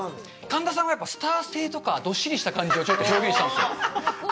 神田さんは、スター性とか、どっしりした感じをちょっと表現したんですよ。